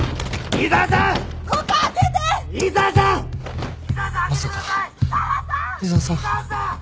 井沢さん！